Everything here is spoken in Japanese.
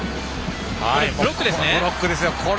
ここのブロックですよ。